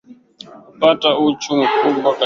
kupata uchu mkubwa wa chakula Uvutaji wa bangi